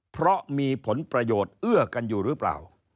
เพราะมีผลประโยชน์เอื้อกันอยู่หรือเปล่า